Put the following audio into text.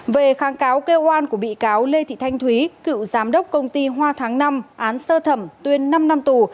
về kháng cáo kêu oan của bị cáo lê thị thanh thúy cựu giám đốc công ty hoa tháng năm án sơ thẩm tuyên năm năm tù